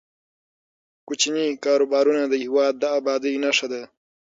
کوچني کاروبارونه د هیواد د ابادۍ نښه ده.